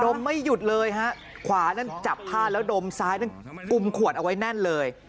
มไม่หยุดเลยฮะขวานั่นจับผ้าแล้วดมซ้ายนั้นกุมขวดเอาไว้แน่นเลย